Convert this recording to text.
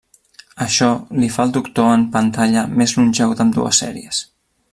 Això li fa el Doctor en pantalla més longeu d'ambdues sèries.